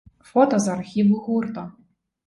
Фота з архіву гурта.